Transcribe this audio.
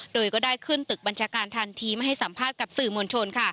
โดยก็ได้ขึ้นตึกบัญชาการทันทีไม่ให้สัมภาษณ์กับสื่อมวลชนค่ะ